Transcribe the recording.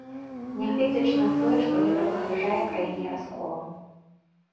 Нягледзячы на тое, што гэта пагражае краіне расколам.